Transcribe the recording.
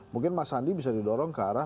mungkin mas andi bisa didorong ke arah